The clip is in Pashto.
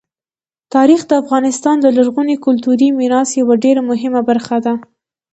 تاریخ د افغانستان د لرغوني کلتوري میراث یوه ډېره مهمه برخه ده.